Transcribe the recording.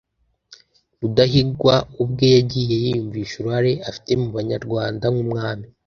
rudahigwa ubwe yagiye yiyumvisha uruhare afite ku banyarwanda nk'umwami,